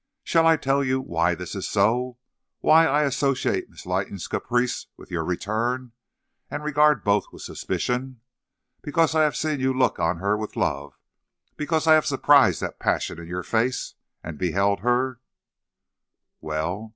"'Shall I tell you why this is so why I associate Miss Leighton's caprice with your return, and regard both with suspicion? Because I have seen you look on her with love; because I have surprised the passion in your face and beheld her ' "'Well?'